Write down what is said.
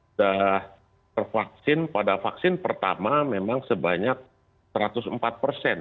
sudah tervaksin pada vaksin pertama memang sebanyak satu ratus empat persen